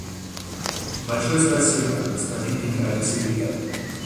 Большое спасибо, господин Генеральный секретарь.